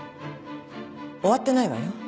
終わってないわよ。